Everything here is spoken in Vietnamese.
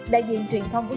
đại diện truyền thông của